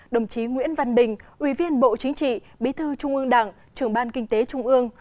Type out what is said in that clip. đồng chí nguyễn văn bình ủy viên bộ chính trị bí thư trung ương đảng trưởng ban kinh tế trung ương